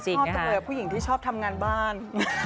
พี่นาชอบตัวเบลอผู้หญิงที่ชอบทำงานบ้าน